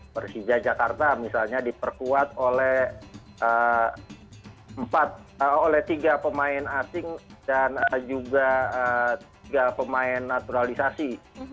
persija jakarta misalnya diperkuat oleh tiga pemain asing dan juga tiga pemain naturalisasi